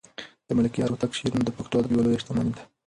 د ملکیار هوتک شعرونه د پښتو ادب یوه لویه شتمني ده.